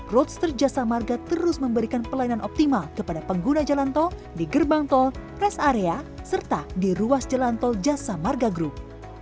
roadster jasa marga terus memberikan pelayanan optimal kepada pengguna jalan tol di gerbang tol rest area serta di ruas jalan tol jasa marga group